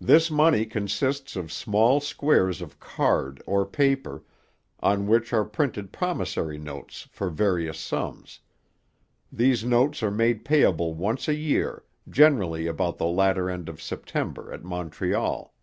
'This money consists of small squares of card or paper, on which are printed promissory notes for various sums. These notes are made payable once a year, generally about the latter end of September at Montreal.